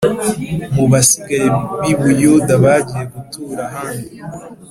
Mu basigaye b’i Buyuda bagiye gutura ahandi